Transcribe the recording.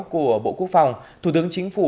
của bộ quốc phòng thủ tướng chính phủ